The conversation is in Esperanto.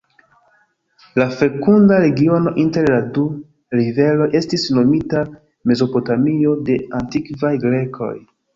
La fekunda regiono inter la du riveroj estis nomita Mezopotamio de antikvaj Grekoj.